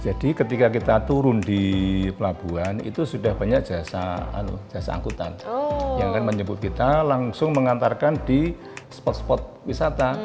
jadi ketika kita turun di pelabuhan itu sudah banyak jasa angkutan yang menjemput kita langsung mengantarkan di spot spot wisata